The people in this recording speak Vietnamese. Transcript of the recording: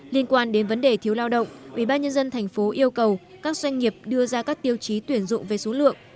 liên quan đến vấn đề thiếu lao động ubnd tp yêu cầu các doanh nghiệp đưa ra các tiêu chí tuyển dụng về số lượng